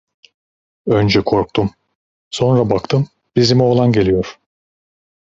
Önce korktum, sonra baktım bizim oğlan geliyor.